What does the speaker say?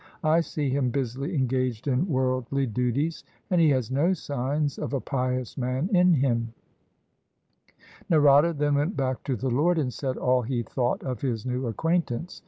I see him busily engaged in worldly duties, and he has no signs of a pious man in him." Narada then went back to the Lord and said all he thought of his new acquaintance.